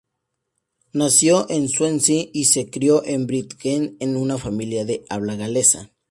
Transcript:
Nació en Swansea y se crio en Bridgend, en una familia de habla galesa.